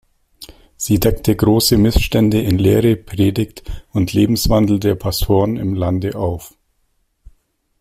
Sie deckte große Missstände in Lehre, Predigt und Lebenswandel der Pastoren im Lande auf.